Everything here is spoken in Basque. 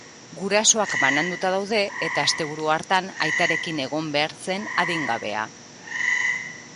Gurasoak bananduta daude eta asteburu hartan aitarekin egon behar zen adingabea.